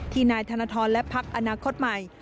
นายธนทรและพักอนาคตใหม่